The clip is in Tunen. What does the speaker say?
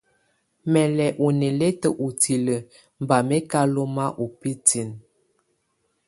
Mɛ́ lɛ́ ú nɛlɛtá ú tilǝ́ bá mɛ́ ká lɔ́má ú bǝ́tinǝ́.